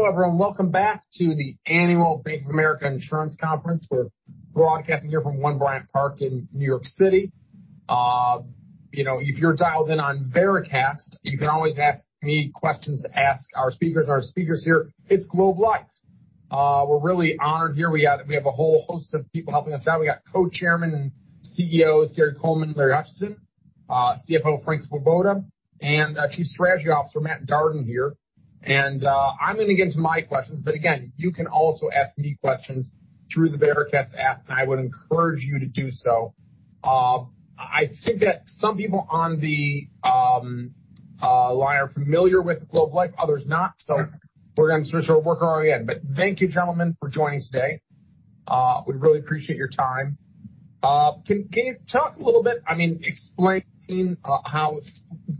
Hello, everyone. Welcome back to the annual Bank of America Insurance Conference. We're broadcasting here from One Bryant Park in New York City. If you're dialed in on Veracast, you can always ask me questions to ask our speakers and our speakers here. It's Globe Life. We're really honored here. We have a whole host of people helping us out. We got Co-Chairman and Co-Chief Executive Officers, Gary Coleman, Larry Hutchison, CFO Frank Svoboda, and Chief Strategy Officer Matt Darden here. I'm going to get into my questions, but again, you can also ask me questions through the Veracast app, and I would encourage you to do so. I think that some people on the line are familiar with Globe Life, others not. We're going to start from the very beginning. Thank you, gentlemen, for joining us today. We really appreciate your time. Can you talk a little bit, explain how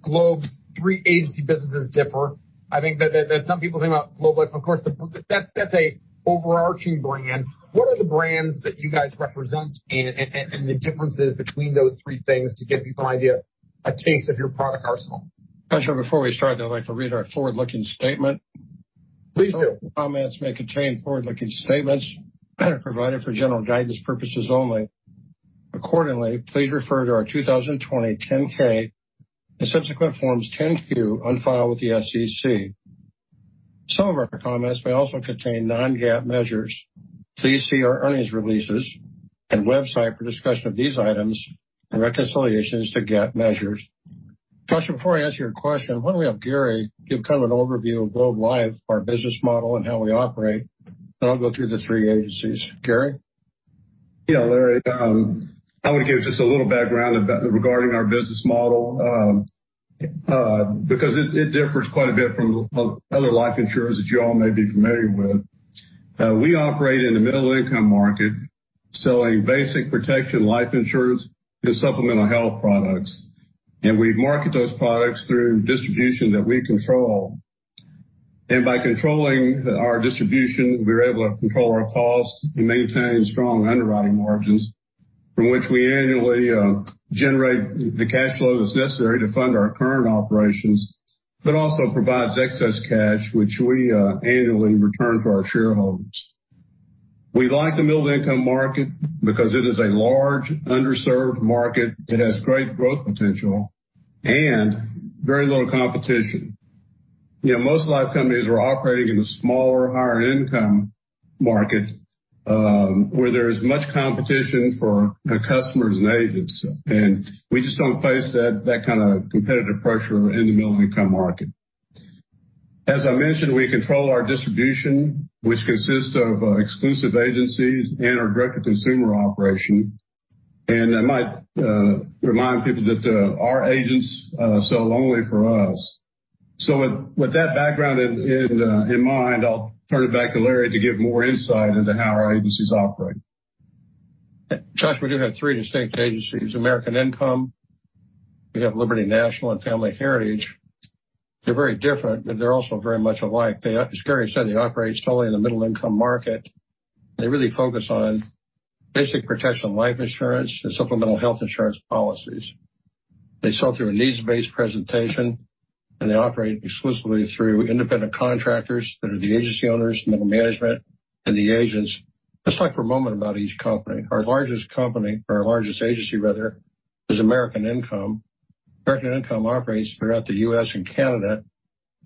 Globe's three agency businesses differ? I think that some people think about Globe Life, of course, that's an overarching brand. What are the brands that you guys represent and the differences between those three things to give people an idea, a taste of your product arsenal? Joshua, before we start, though, I'd like to read our forward-looking statement. Please do. Comments may contain forward-looking statements provided for general guidance purposes only. Accordingly, please refer to our 2020 10-K and subsequent Forms 10-Q on file with the SEC. Some of our comments may also contain non-GAAP measures. Please see our earnings releases and website for discussion of these items and reconciliations to GAAP measures. Joshua, before I answer your question, why don't we have Gary give kind of an overview of Globe Life, our business model, and how we operate, then I'll go through the three agencies. Gary? Yeah, Larry, I want to give just a little background regarding our business model, because it differs quite a bit from other life insurers that you all may be familiar with. We operate in the middle income market, selling basic protection life insurance and supplemental health products, and we market those products through distribution that we control. By controlling our distribution, we're able to control our costs and maintain strong underwriting margins from which we annually generate the cash flow that's necessary to fund our current operations, but also provides excess cash, which we annually return to our shareholders. We like the middle income market because it is a large underserved market that has great growth potential and very little competition. Most life companies are operating in the smaller, higher income market, where there is much competition for customers and agents, and we just don't face that kind of competitive pressure in the middle income market. As I mentioned, we control our distribution, which consists of exclusive agencies and our direct-to-consumer operation. I might remind people that our agents sell only for us. With that background in mind, I'll turn it back to Larry to give more insight into how our agencies operate. Josh, we do have three distinct agencies, American Income, we have Liberty National, and Family Heritage. They're very different, but they're also very much alike. As Gary said, he operates totally in the middle income market. They really focus on basic protection life insurance and supplemental health insurance policies. They sell through a needs-based presentation, they operate exclusively through independent contractors that are the agency owners, middle management, and the agents. Let's talk for a moment about each company. Our largest company, or our largest agency rather, is American Income. American Income operates throughout the U.S. and Canada.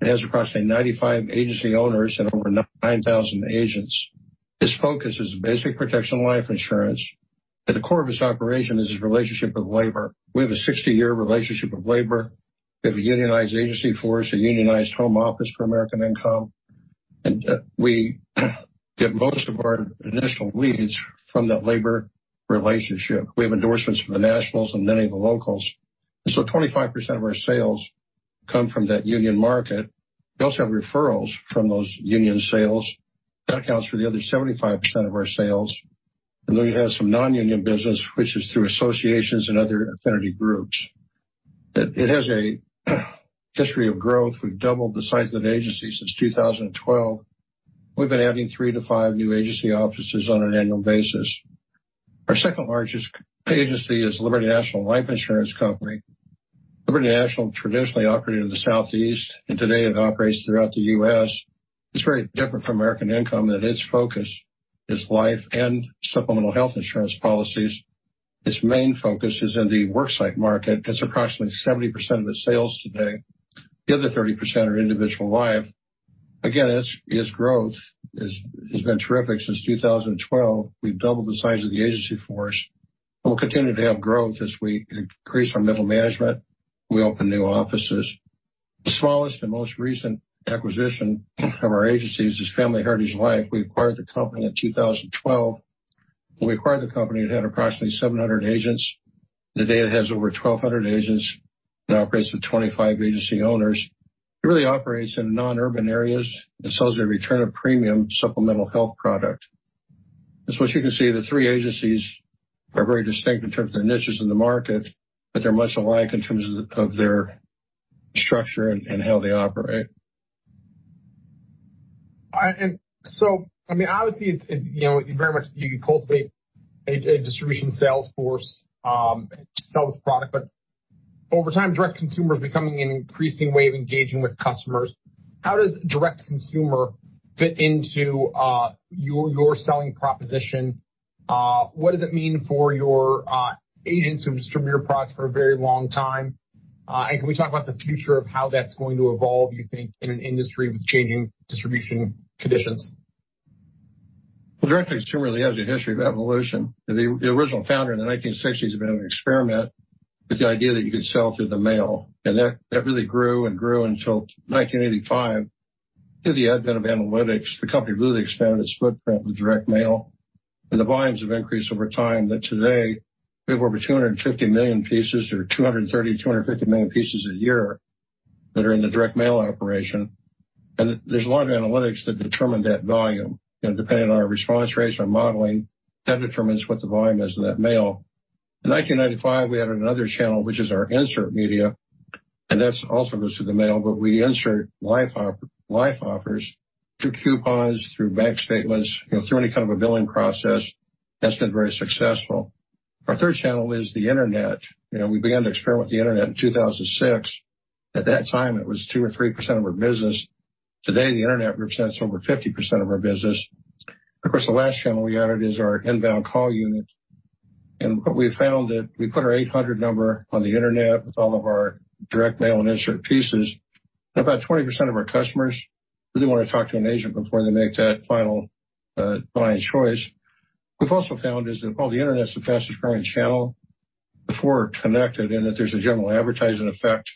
It has approximately 95 agency owners and over 9,000 agents. Its focus is basic protection life insurance, but the core of its operation is its relationship with labor. We have a 60-year relationship with labor. We have a unionized agency force, a unionized home office for American Income, we get most of our initial leads from that labor relationship. We have endorsements from the nationals and many of the locals, 25% of our sales come from that union market. We also have referrals from those union sales. That accounts for the other 75% of our sales, we have some non-union business, which is through associations and other affinity groups. It has a history of growth. We've doubled the size of the agency since 2012. We've been adding three to five new agency offices on an annual basis. Our second largest agency is Liberty National Life Insurance Company. Liberty National traditionally operated in the Southeast, today it operates throughout the U.S. It's very different from American Income in its focus is life and supplemental health insurance policies. Its main focus is in the worksite market. That's approximately 70% of its sales today. The other 30% are individual life. Again, its growth has been terrific since 2012. We've doubled the size of the agency force, we'll continue to have growth as we increase our middle management, we open new offices. The smallest and most recent acquisition from our agencies is Family Heritage Life. We acquired the company in 2012. When we acquired the company, it had approximately 700 agents. Today, it has over 1,200 agents and operates with 25 agency owners. It really operates in non-urban areas and sells a return of premium supplemental health product. As you can see, the three agencies are very distinct in terms of their niches in the market, they're much alike in terms of their structure and how they operate. Obviously, you cultivate a distribution sales force that sells product, Over time, direct-to-consumer is becoming an increasing way of engaging with customers. How does direct-to-consumer fit into your selling proposition? What does it mean for your agents who've distributed your products for a very long time? Can we talk about the future of how that's going to evolve, you think, in an industry with changing distribution conditions? Well, direct-to-consumer really has a history of evolution. The original founder in the 1960s began an experiment with the idea that you could sell through the mail, that really grew and grew until 1985. Through the advent of analytics, the company really expanded its footprint with direct mail, the volumes have increased over time, that today we have over 250 million pieces or 230, 250 million pieces a year that are in the direct mail operation. There's a lot of analytics that determine that volume. Depending on our response rates, our modeling, that determines what the volume is in that mail. In 1995, we added another channel, which is our insert media, that also goes through the mail, we insert life offers through coupons, through bank statements, through any kind of a billing process. That's been very successful. Our third channel is the internet. We began to experiment with the internet in 2006. At that time, it was 2% or 3% of our business. Today, the internet represents over 50% of our business. Of course, the last channel we added is our inbound call unit. What we found, that we put our 800 number on the internet with all of our direct mail and insert pieces, about 20% of our customers really want to talk to an agent before they make that final buying choice. We've also found is that while the internet's the fastest growing channel, the four are connected in that there's a general advertising effect,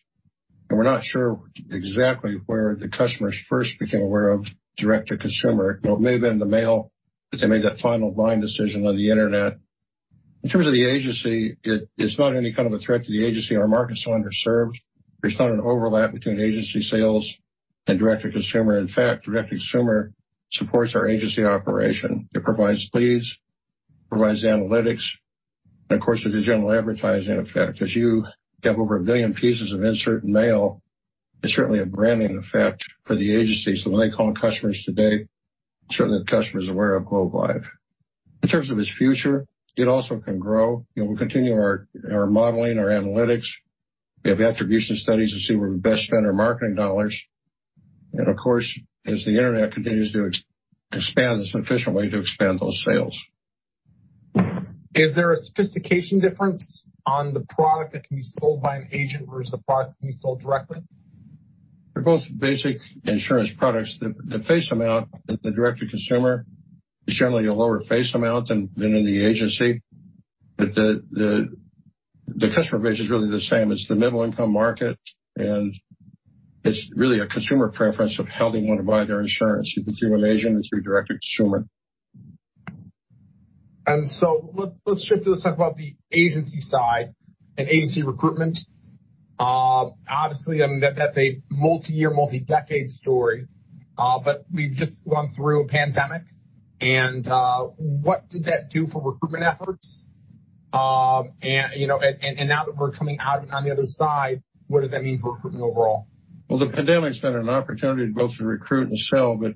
and we're not sure exactly where the customers first became aware of direct-to-consumer. It may have been in the mail, but they made that final buying decision on the internet. In terms of the agency, it's not any kind of a threat to the agency. Our market's so underserved. There's not an overlap between agency sales and direct-to-consumer. In fact, direct-to-consumer supports our agency operation. It provides leads, provides analytics, and of course, there's a general advertising effect. As you get over a billion pieces of insert mail, it's certainly a branding effect for the agency. When they call customers today, certainly the customer is aware of Globe Life. In terms of its future, it also can grow. We'll continue our modeling, our analytics. We have attribution studies to see where we best spend our marketing dollars. Of course, as the internet continues to expand, it's an efficient way to expand those sales. Is there a sophistication difference on the product that can be sold by an agent versus a product that can be sold directly? They're both basic insurance products. The face amount in the direct-to-consumer is generally a lower face amount than in the agency. The customer base is really the same. It's the middle-income market, and it's really a consumer preference of how they want to buy their insurance, either through an agent or through direct-to-consumer. Let's shift to this talk about the agency side and agency recruitment. Obviously, that's a multi-year, multi-decade story. We've just gone through a pandemic, and what did that do for recruitment efforts? Now that we're coming out on the other side, what does that mean for recruitment overall? Well, the pandemic's been an opportunity both to recruit and sell, but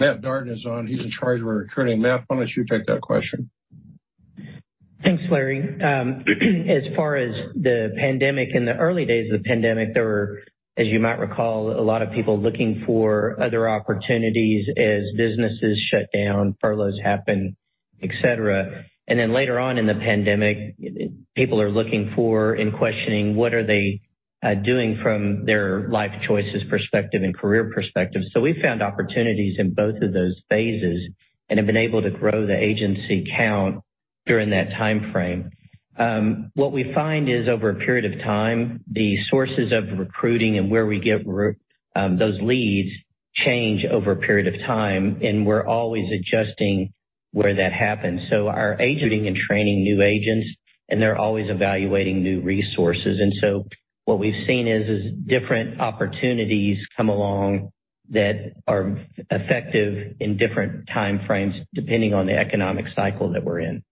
Matt Darden is on. He's in charge of our recruiting. Matt, why don't you take that question? Thanks, Larry. As far as the pandemic, in the early days of the pandemic, there were, as you might recall, a lot of people looking for other opportunities as businesses shut down, furloughs happened, et cetera. Later on in the pandemic, people are looking for and questioning what are they doing from their life choices perspective and career perspective. We found opportunities in both of those phases and have been able to grow the agency count during that timeframe. What we find is over a period of time, the sources of recruiting and where we get those leads change over a period of time, and we're always adjusting where that happens. Our agenting and training new agents, and they're always evaluating new resources. What we've seen is different opportunities come along that are effective in different timeframes depending on the economic cycle that we're in.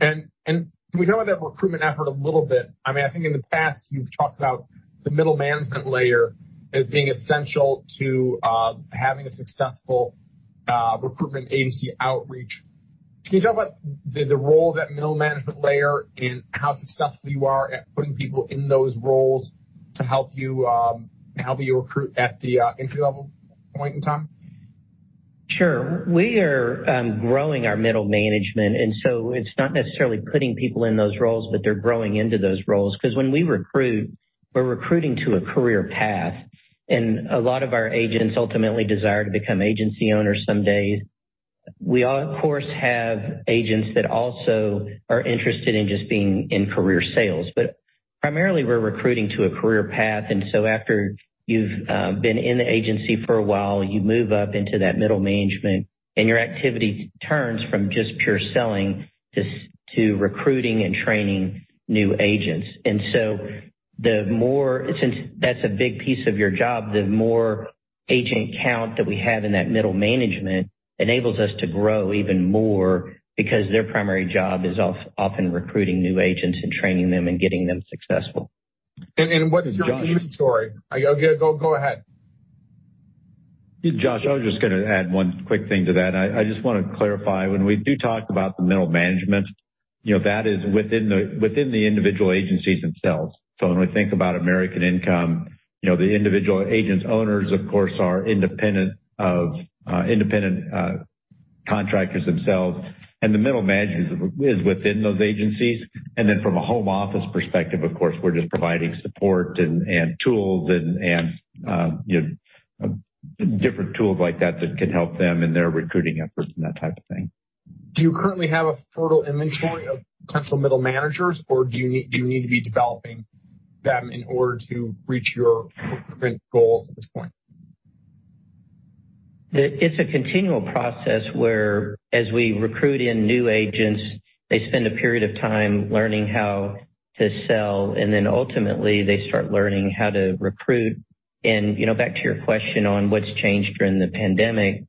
Can we talk about that recruitment effort a little bit? I think in the past, you've talked about the middle management layer as being essential to having a successful recruitment agency outreach. Can you talk about the role of that middle management layer and how successful you are at putting people in those roles to help you recruit at the entry level point in time? Sure. We are growing our middle management, so it's not necessarily putting people in those roles, but they're growing into those roles because when we recruit, we're recruiting to a career path, and a lot of our agents ultimately desire to become agency owners someday. We, of course, have agents that also are interested in just being in career sales. Primarily, we're recruiting to a career path, so after you've been in the agency for a while, you move up into that middle management, and your activity turns from just pure selling to recruiting and training new agents. Since that's a big piece of your job, the more agent count that we have in that middle management enables us to grow even more because their primary job is often recruiting new agents and training them and getting them successful. What's your inventory? Go ahead. Josh, I was just going to add one quick thing to that. I just want to clarify, when we do talk about the middle management, that is within the individual agencies themselves. When we think about American Income, the individual agent owners, of course, are independent contractors themselves, and the middle management is within those agencies. Then from a home office perspective, of course, we're just providing support and tools and different tools like that that can help them in their recruiting efforts and that type of thing. Do you currently have a total inventory of potential middle managers, or do you need to be developing them in order to reach your recruitment goals at this point? It's a continual process where as we recruit in new agents, they spend a period of time learning how to sell, then ultimately they start learning how to recruit. Back to your question on what's changed during the pandemic,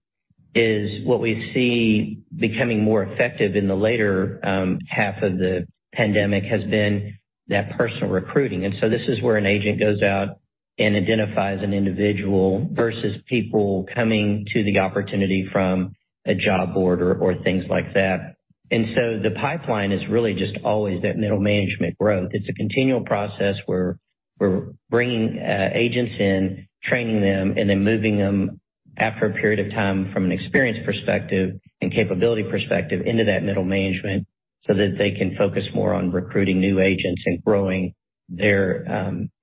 is what we see becoming more effective in the latter half of the pandemic has been that personal recruiting. So this is where an agent goes out and identifies an individual versus people coming to the opportunity from a job board or things like that. So the pipeline is really just always that middle management growth. It's a continual process where we're bringing agents in, training them, then moving them after a period of time from an experience perspective and capability perspective into that middle management, so that they can focus more on recruiting new agents and growing their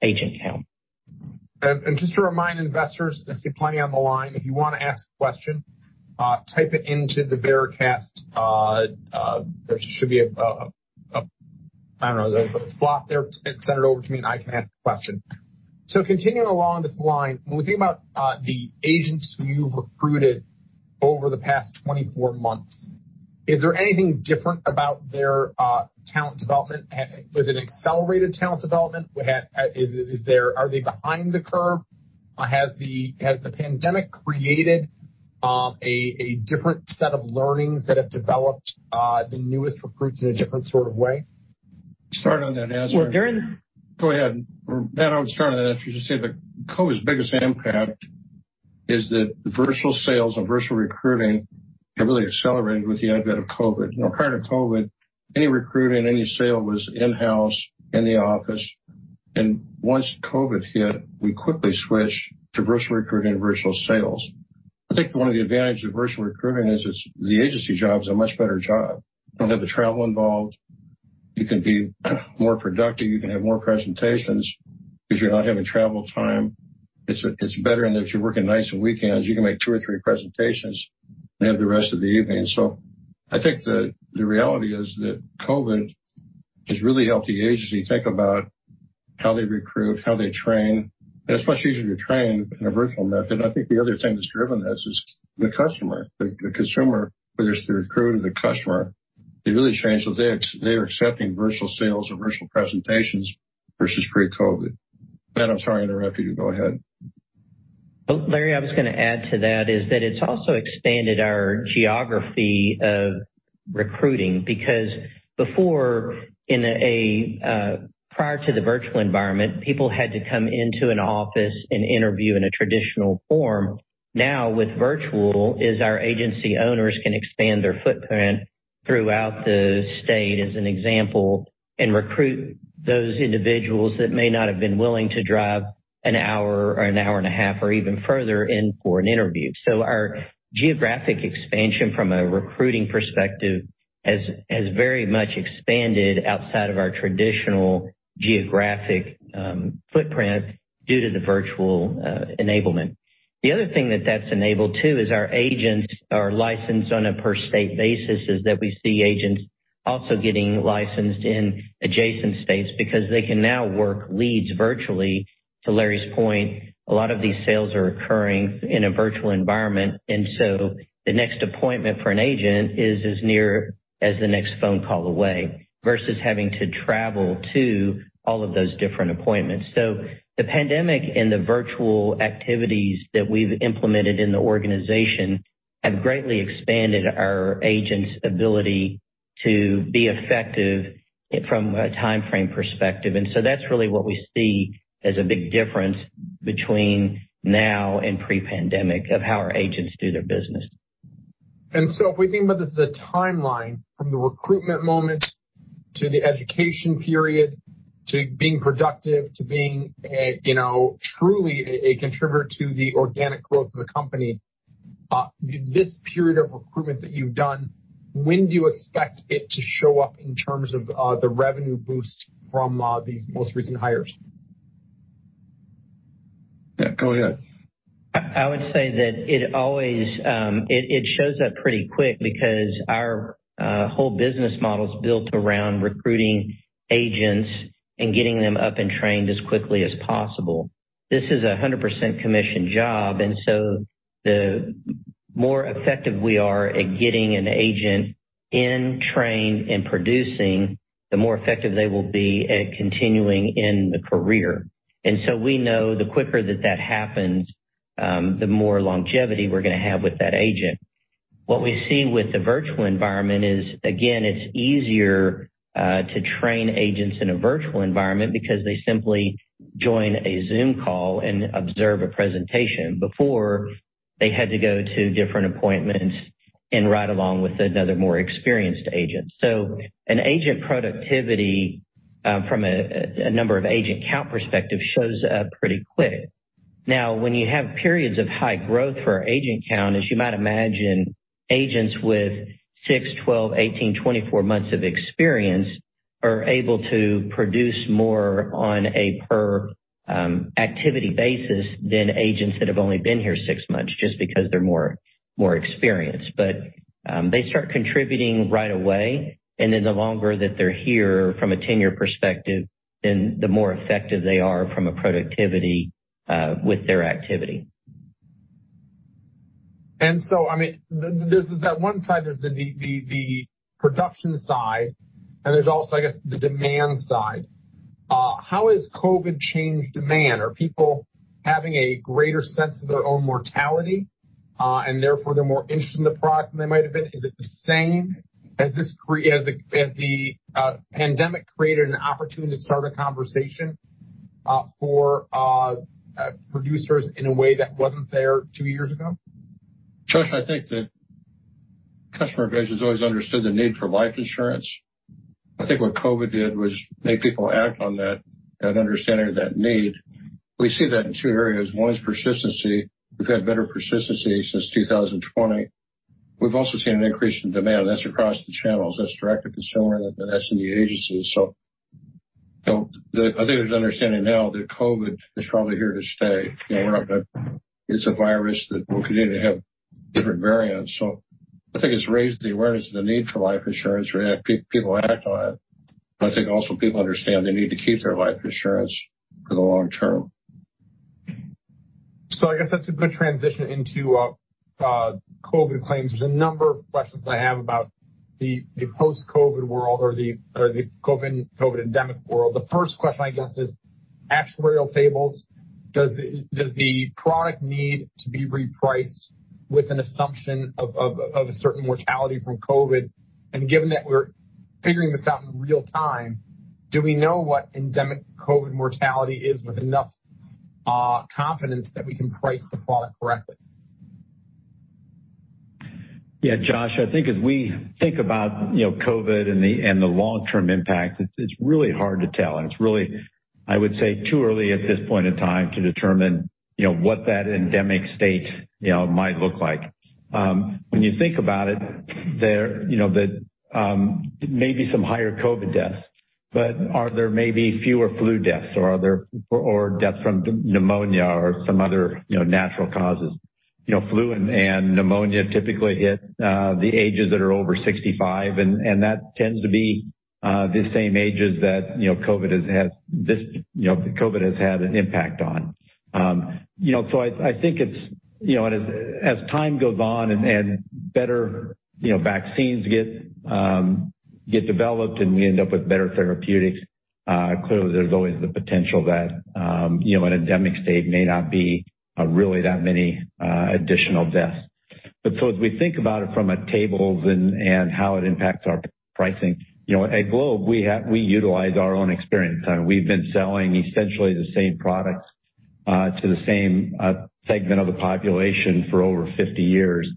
agent count. Just to remind investors, I see plenty on the line, if you want to ask a question, type it into the Veracast. There should be a, I don't know, a slot there, send it over to me and I can ask the question. Continuing along this line, when we think about the agents who you've recruited over the past 24 months, is there anything different about their talent development? Was it accelerated talent development? Are they behind the curve? Has the pandemic created a different set of learnings that have developed the newest recruits in a different sort of way? Start on that answer. Well, Go ahead. Ben, I would start on that. As you just said, that COVID's biggest impact is that virtual sales and virtual recruiting have really accelerated with the advent of COVID. Prior to COVID, any recruiting, any sale was in-house, in the office, and once COVID hit, we quickly switched to virtual recruiting and virtual sales. I think one of the advantages of virtual recruiting is the agency job is a much better job. You don't have the travel involved. You can be more productive. You can have more presentations because you're not having travel time. It's better, and if you're working nights and weekends, you can make two or three presentations and have the rest of the evening. I think the reality is that COVID has really helped the agency think about how they recruit, how they train, and it's much easier to train in a virtual method. I think the other thing that's driven this is the customer. The consumer, whether it's the recruiter, the customer, they really changed what they accept. They are accepting virtual sales or virtual presentations versus pre-COVID. Ben, I'm sorry to interrupt you. Go ahead. Larry, I was going to add to that, is that it's also expanded our geography of recruiting, because before, prior to the virtual environment, people had to come into an office and interview in a traditional form. Now with virtual is our agency owners can expand their footprint throughout the state, as an example, and recruit those individuals that may not have been willing to drive an hour or an hour and a half or even further in for an interview. Our geographic expansion from a recruiting perspective has very much expanded outside of our traditional geographic footprint due to the virtual enablement. The other thing that that's enabled too, is our agents are licensed on a per state basis, is that we see agents also getting licensed in adjacent states because they can now work leads virtually. To Larry's point, a lot of these sales are occurring in a virtual environment, the next appointment for an agent is as near as the next phone call away versus having to travel to all of those different appointments. The pandemic and the virtual activities that we've implemented in the organization have greatly expanded our agents' ability to be effective from a timeframe perspective. That's really what we see as a big difference between now and pre-pandemic of how our agents do their business. If we think about this as a timeline from the recruitment moment to the education period, to being productive, to being truly a contributor to the organic growth of the company, this period of recruitment that you've done, when do you expect it to show up in terms of the revenue boost from these most recent hires? Yeah, go ahead. I would say that it shows up pretty quick because our whole business model is built around recruiting agents and getting them up and trained as quickly as possible. This is a 100% commission job, the more effective we are at getting an agent in, trained, and producing, the more effective they will be at continuing in the career. We know the quicker that that happens, the more longevity we're going to have with that agent. What we see with the virtual environment is, again, it's easier to train agents in a virtual environment because they simply join a Zoom call and observe a presentation. Before, they had to go to different appointments and ride along with another more experienced agent. An agent productivity from a number of agent count perspective shows up pretty quick. When you have periods of high growth for our agent count, as you might imagine, agents with six, 12, 18, 24 months of experience are able to produce more on a per activity basis than agents that have only been here six months, just because they're more experienced. They start contributing right away, the longer that they're here from a tenure perspective, the more effective they are from a productivity with their activity. There's that one side, there's the production side, and there's also, I guess, the demand side. How has COVID changed demand? Are people having a greater sense of their own mortality, and therefore they're more interested in the product than they might've been? Is it the same? Has the pandemic created an opportunity to start a conversation for producers in a way that wasn't there two years ago? Josh, I think that customer base has always understood the need for life insurance. I think what COVID did was make people act on that understanding of that need. We see that in two areas. One is persistency. We've had better persistency since 2020. We've also seen an increase in demand that's across the channels. That's direct-to-consumer, and that's in the agencies. I think there's an understanding now that COVID is probably here to stay. It's a virus that will continue to have different variants. I think it's raised the awareness of the need for life insurance, people act on it. I think also people understand they need to keep their life insurance for the long term. I guess that's a good transition into COVID claims. There's a number of questions I have about the post-COVID world or the COVID endemic world. The first question, I guess, is actuarial tables. Does the product need to be repriced with an assumption of a certain mortality from COVID? Given that we're figuring this out in real time, do we know what endemic COVID mortality is with enough confidence that we can price the product correctly? Yeah, Josh, I think as we think about COVID and the long-term impact, it's really hard to tell, and it's really, I would say, too early at this point in time to determine what that endemic state might look like. When you think about it, there may be some higher COVID deaths, but are there may be fewer flu deaths or deaths from pneumonia or some other natural causes. Flu and pneumonia typically hit the ages that are over 65, and that tends to be the same ages that COVID has had an impact on. I think as time goes on and better vaccines get developed, and we end up with better therapeutics, clearly there's always the potential that an endemic state may not be really that many additional deaths. As we think about it from a tables and how it impacts our pricing, at Globe, we utilize our own experience, and we've been selling essentially the same products to the same segment of the population for over 50 years.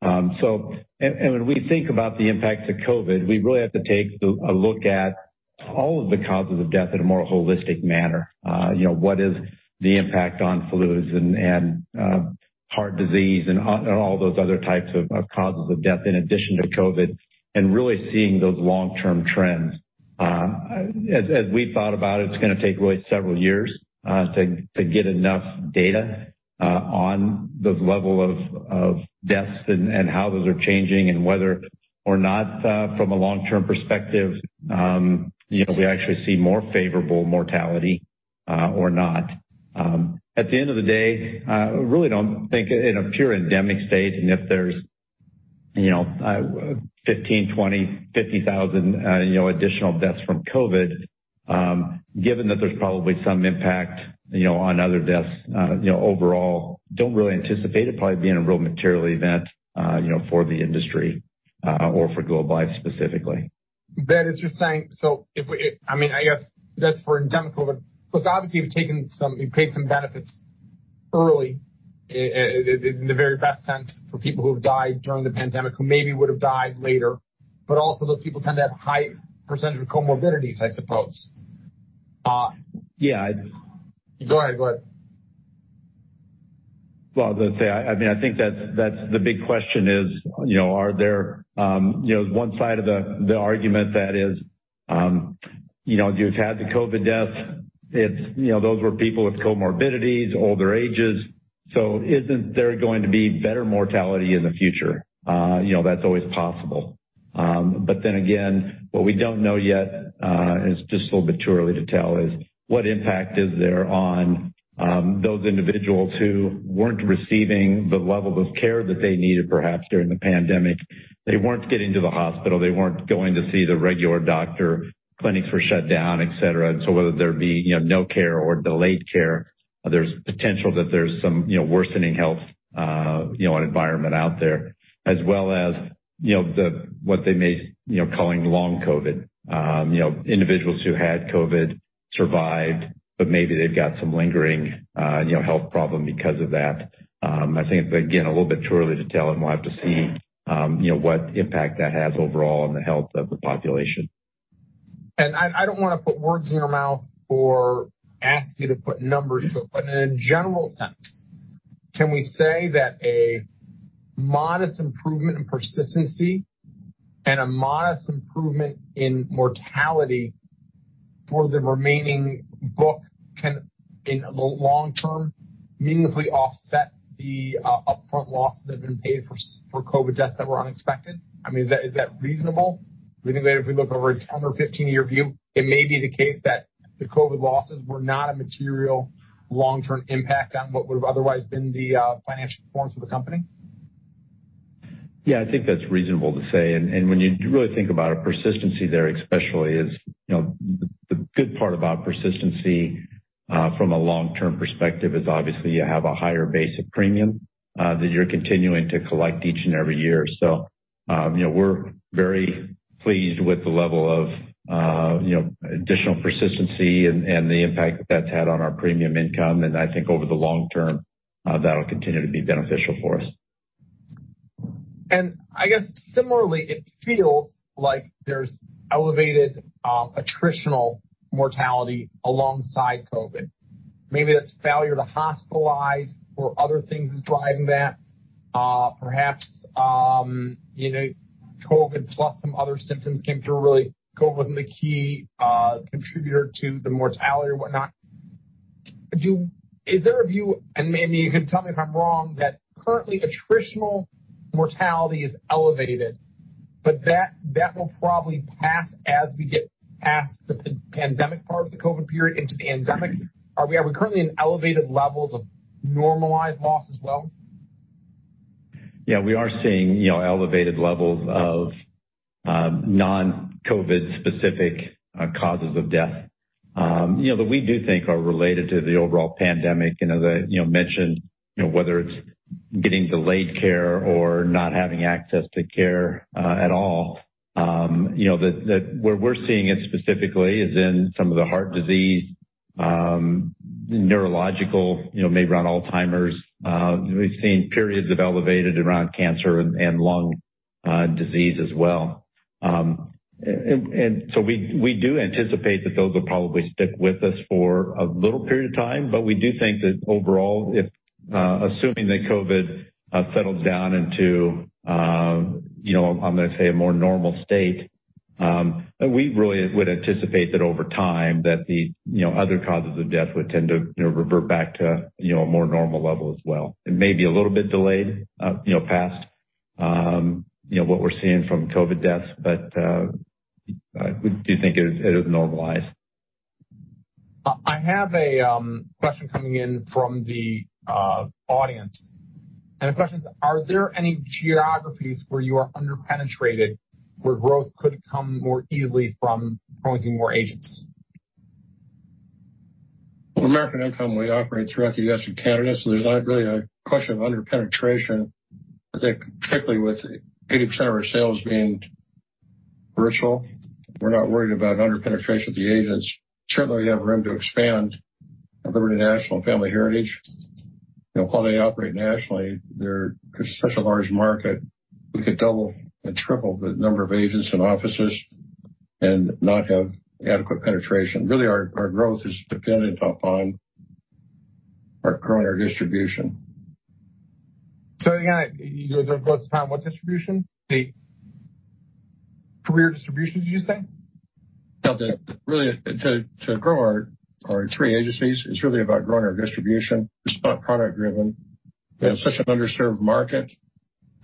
When we think about the impacts of COVID, we really have to take a look at all of the causes of death in a more holistic manner. What is the impact on flu and heart disease and all those other types of causes of death in addition to COVID, and really seeing those long-term trends. As we thought about it's going to take really several years to get enough data on those level of deaths and how those are changing and whether or not from a long-term perspective we actually see more favorable mortality or not. At the end of the day, I really don't think in a pure endemic state, if there's 15, 20, 50,000 additional deaths from COVID, given that there's probably some impact on other deaths overall, don't really anticipate it probably being a real material event for the industry or for Globe Life specifically. Ben, as you're saying, I guess that's for endemic COVID. Look, obviously, you've paid some benefits early in the very best sense for people who have died during the pandemic who maybe would have died later. Also those people tend to have high percentage of comorbidities, I suppose. Yeah. Go ahead. I was going to say, I think that the big question is, one side of the argument that is, you've had the COVID deaths, those were people with comorbidities, older ages. Isn't there going to be better mortality in the future? That's always possible. What we don't know yet, and it's just a little bit too early to tell is what impact is there on those individuals who weren't receiving the level of care that they needed perhaps during the pandemic They weren't getting to the hospital. They weren't going to see the regular doctor. Clinics were shut down, et cetera. Whether there be no care or delayed care, there's potential that there's some worsening health environment out there, as well as what they may calling Long COVID. Individuals who had COVID survived, but maybe they've got some lingering health problem because of that. I think it's, again, a little bit too early to tell, and we'll have to see what impact that has overall on the health of the population. I don't want to put words in your mouth or ask you to put numbers to it, in a general sense, can we say that a modest improvement in persistency and a modest improvement in mortality for the remaining book can, in long-term, meaningfully offset the upfront losses that have been paid for COVID deaths that were unexpected? I mean, is that reasonable? Do we think that if we look over a 10 or 15-year view, it may be the case that the COVID losses were not a material long-term impact on what would have otherwise been the financial performance of the company? Yeah, I think that's reasonable to say. When you really think about it, persistency there especially is the good part about persistency, from a long-term perspective is obviously you have a higher base of premium that you're continuing to collect each and every year. We're very pleased with the level of additional persistency and the impact that that's had on our premium income. I think over the long term, that'll continue to be beneficial for us. I guess similarly, it feels like there's elevated attritional mortality alongside COVID. Maybe that's failure to hospitalize or other things is driving that. Perhaps, COVID plus some other symptoms came through really, COVID wasn't the key contributor to the mortality or whatnot. Is there a view, and maybe you can tell me if I'm wrong, that currently attritional mortality is elevated, but that will probably pass as we get past the pandemic part of the COVID period into the endemic? Are we currently in elevated levels of normalized loss as well? Yeah, we are seeing elevated levels of non-COVID specific causes of death, that we do think are related to the overall pandemic. As I mentioned, whether it's getting delayed care or not having access to care at all, that where we're seeing it specifically is in some of the heart disease, neurological, maybe around Alzheimer's. We've seen periods of elevated around cancer and lung disease as well. We do anticipate that those will probably stick with us for a little period of time. We do think that overall, assuming that COVID settles down into, I'm going to say a more normal state, that we really would anticipate that over time, that the other causes of death would tend to revert back to a more normal level as well. It may be a little bit delayed, past what we're seeing from COVID deaths, but we do think it'll normalize. I have a question coming in from the audience, the question is, are there any geographies where you are under-penetrated where growth could come more easily from pointing more agents? Well, American Income, we operate throughout the U.S. and Canada, there's not really a question of under-penetration. I think particularly with 80% of our sales being virtual, we're not worried about under-penetration of the agents. Certainly, we have room to expand Liberty National and Family Heritage. While they operate nationally, there's such a large market, we could double and triple the number of agents and offices and not have adequate penetration. Really our growth is dependent upon our current distribution. Again, your growth depends on what distribution? The career distribution, did you say? No. To grow our three agencies, it's really about growing our distribution. It's not product driven. We have such an underserved market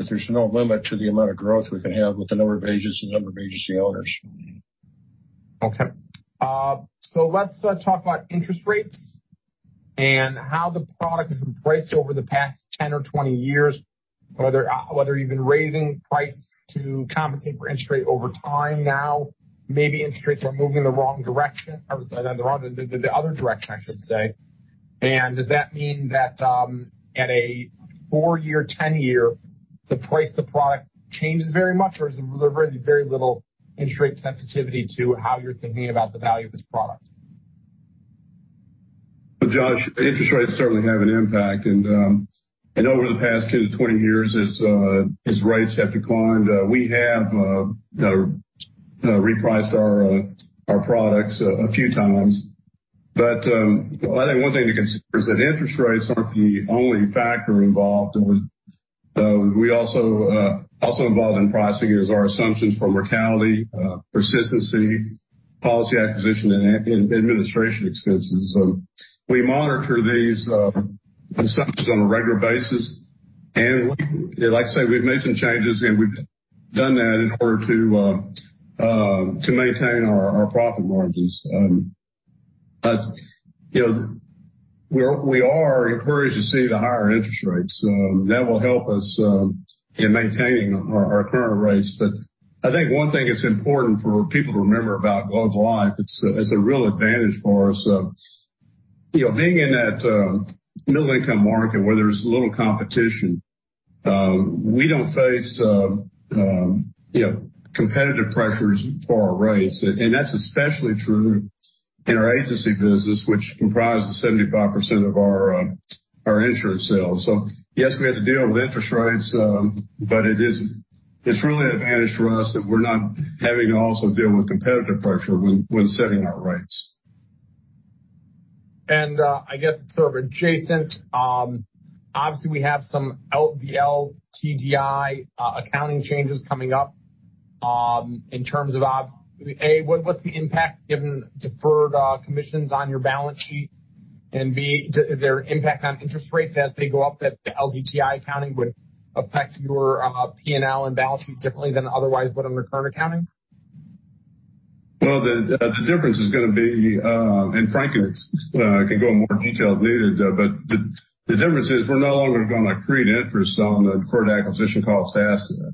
that there's no limit to the amount of growth we can have with the number of agents and number of agency owners. Okay. Let's talk about interest rates and how the product has been priced over the past 10 or 20 years, whether you've been raising price to compensate for interest rate over time. Now, maybe interest rates are moving the wrong direction, or the other direction, I should say. Does that mean that at a four-year, 10-year, the price of the product changes very much, or is there very little interest rate sensitivity to how you're thinking about the value of this product? Well, Josh, interest rates certainly have an impact, and over the past 10 to 20 years as rates have declined, we have repriced our products a few times. I think one thing to consider is that interest rates aren't the only factor involved. Also involved in pricing is our assumptions for mortality, persistency, policy acquisition, and administration expenses. We monitor these assumptions on a regular basis, and like I say, we've made some changes, and we've done that in order to maintain our profit margins. We are encouraged to see the higher interest rates. That will help us in maintaining our current rates. I think one thing that's important for people to remember about Globe Life, it's a real advantage for us. Being in that middle-income market where there's little competition, we don't face competitive pressures for our rates, and that's especially true in our agency business, which comprises 75% of our insurance sales. Yes, we have to deal with interest rates, but it's really an advantage for us that we're not having to also deal with competitive pressure when setting our rates. I guess it's sort of adjacent. Obviously, we have some LDTI accounting changes coming up. In terms of, A, what's the impact, given deferred commissions on your balance sheet, and B, is there an impact on interest rates as they go up, that the LDTI accounting would affect your P&L and balance sheet differently than otherwise would under current accounting? Well, the difference is going to be, and frankly, I can go in more detail later, but the difference is we're no longer going to accrete interest on the deferred acquisition cost asset.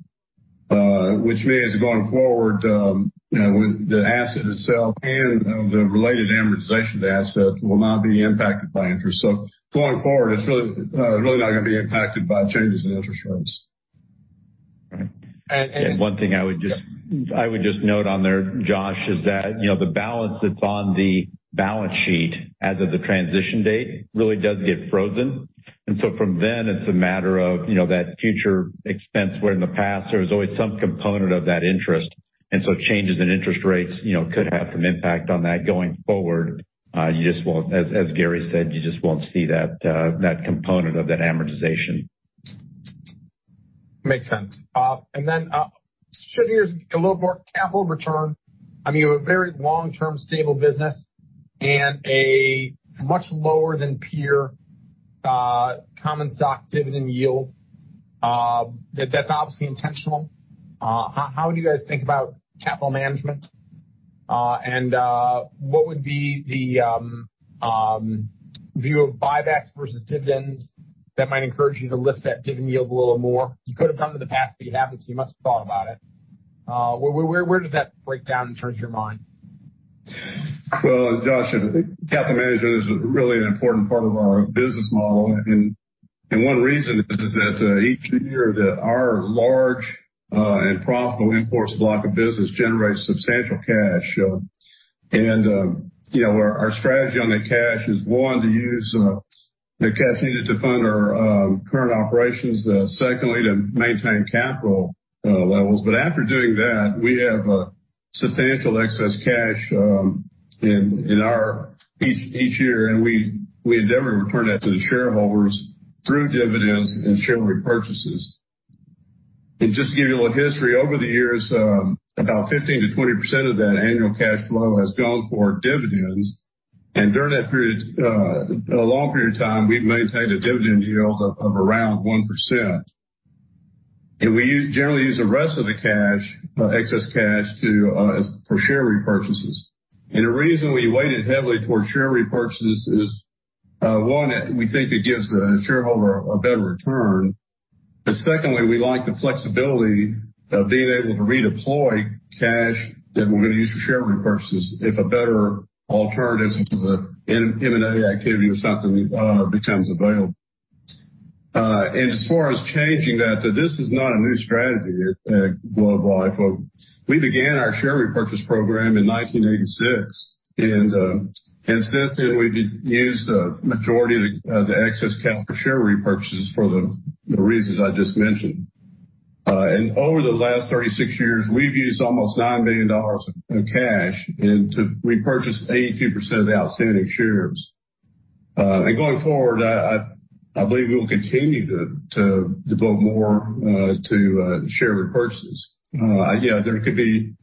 Which means going forward, the asset itself and the related amortization of the asset will not be impacted by interest. Going forward, it's really not going to be impacted by changes in interest rates. Right. One thing I would just note on there, Josh, is that the balance that's on the balance sheet as of the transition date really does get frozen. From then, it's a matter of that future expense, where in the past, there was always some component of that interest. Changes in interest rates could have some impact on that going forward. As Gary said, you just won't see that component of that amortization. Makes sense. Shifting gears a little more, capital return. You have a very long-term stable business and a much lower than peer common stock dividend yield. That's obviously intentional. How do you guys think about capital management? What would be the view of buybacks versus dividends that might encourage you to lift that dividend yield a little more? You could have done it in the past, but you haven't, so you must have thought about it. Where does that break down in terms of your mind? Well, Josh, capital management is really an important part of our business model. One reason is that each year that our large and profitable in-force block of business generates substantial cash. Our strategy on that cash is, one, to use the cash needed to fund our current operations. Secondly, to maintain capital levels. After doing that, we have substantial excess cash each year, and we endeavor to return that to the shareholders through dividends and share repurchases. Just to give you a little history, over the years, about 15%-20% of that annual cash flow has gone for dividends. During that long period of time, we've maintained a dividend yield of around 1%. We generally use the rest of the excess cash for share repurchases. The reason we weighted heavily towards share repurchases is, one, we think it gives a shareholder a better return. Secondly, we like the flexibility of being able to redeploy cash that we're going to use for share repurchases if a better alternative for the M&A activity or something becomes available. As far as changing that, this is not a new strategy at Globe Life. We began our share repurchase program in 1986, and since then we've used a majority of the excess capital for share repurchases for the reasons I just mentioned. Over the last 36 years, we've used almost $9 billion of cash and to repurchase 82% of the outstanding shares. Going forward, I believe we will continue to devote more to share repurchases. There could be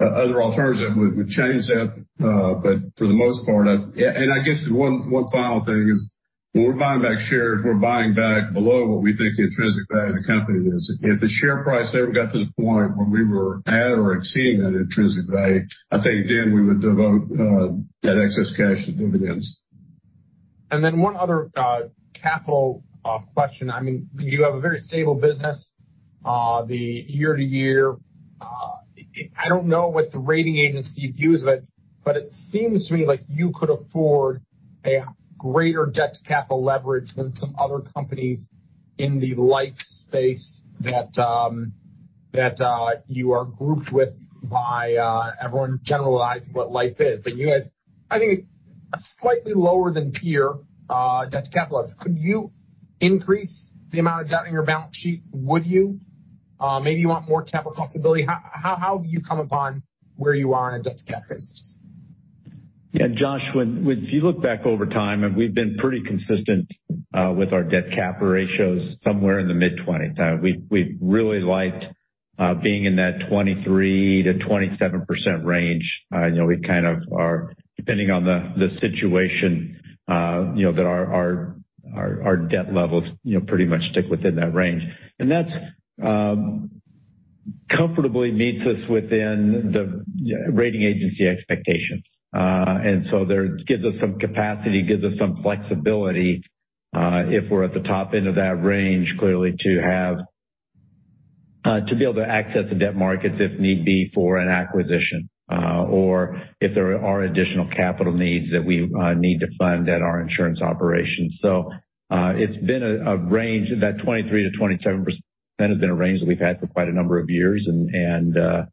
other alternatives that would change that. For the most part, and I guess one final thing is when we're buying back shares, we're buying back below what we think the intrinsic value of the company is. If the share price ever got to the point where we were at or exceeding that intrinsic value, I think then we would devote that excess cash to dividends. One other capital question. You have a very stable business the year-to-year. I don't know what the rating agency views, it seems to me like you could afford a greater debt to capital leverage than some other companies in the life space that you are grouped with by everyone generalizing what life is. You guys, I think a slightly lower than peer debt to capital. Could you increase the amount of debt on your balance sheet? Would you? Maybe you want more capital flexibility. How do you come upon where you are on a debt to capital basis? Josh, if you look back over time, we've been pretty consistent with our debt capital ratios somewhere in the mid-20s. We've really liked being in that 23%-27% range. Depending on the situation that our debt levels pretty much stick within that range. That comfortably meets us within the rating agency expectations. That gives us some capacity, gives us some flexibility, if we're at the top end of that range, clearly to be able to access the debt markets if need be for an acquisition or if there are additional capital needs that we need to fund at our insurance operations. It's been a range, that 23%-27% has been a range that we've had for quite a number of years and that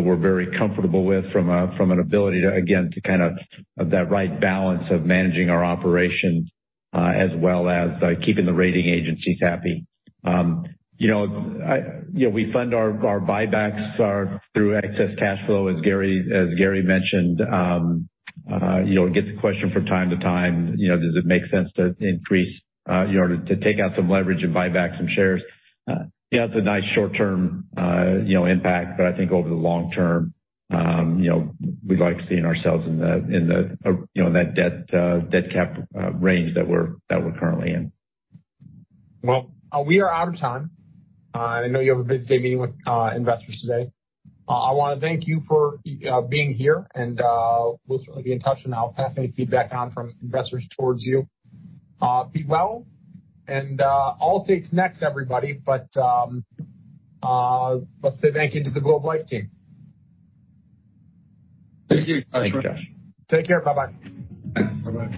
we're very comfortable with from an ability to, again, to kind of have that right balance of managing our operations as well as keeping the rating agencies happy. We fund our buybacks through excess cash flow, as Gary mentioned. We get the question from time to time, does it make sense to take out some leverage and buy back some shares? Yeah, it's a nice short-term impact, I think over the long term we like seeing ourselves in that debt cap range that we're currently in. We are out of time. I know you have a busy day meeting with investors today. I want to thank you for being here, we'll certainly be in touch, I'll pass any feedback on from investors towards you. Be well, Allstate's next, everybody. Let's say thank you to the Globe Life team. Thank you. Thanks, Josh. Take care. Bye-bye. Bye-bye